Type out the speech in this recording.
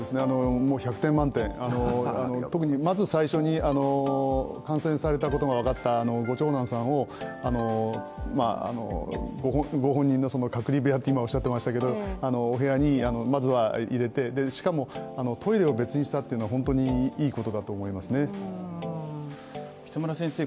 １００点満点、特にまず最初に感染されたことが分かったご長男さんを、隔離部屋とおっしゃっていましたが、お部屋にまずは入れて、しかもトイレを別にしたというのは本当にいいことだと思いますね。